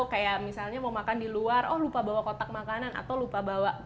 kayak misalnya mau makan di luar oh lupa bawa kotak makanan atau lupa bawa